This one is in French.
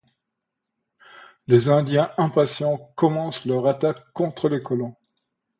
Les Indiens, impatients, commencent leur attaque contre les colons.